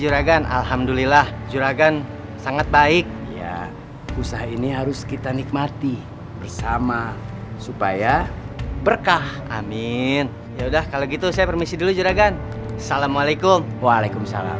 jura gan alhamdulillah juragan sangat baik ya usahanya harus kita nikmati bersama supaya berkah amin ya udah kalau gitu saya permisi dulu juragan assalamualaikum waalaikumsalam